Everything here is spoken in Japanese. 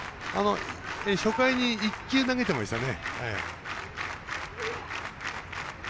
初回に１球投げてましたね。